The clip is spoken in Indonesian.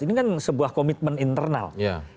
ini kan sebuah komitmen internal